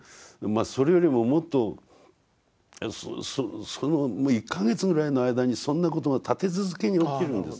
それよりももっとその１か月ぐらいの間にそんなことが立て続けに起きるんです。